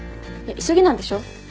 急ぎなんでしょ？